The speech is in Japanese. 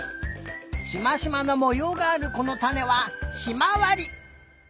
しましまのもようがあるこのたねはひまわり！